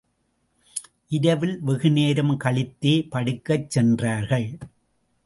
இரவில் வெகுநேரம் கழித்தே படுக்கச் சென்றார்கள்.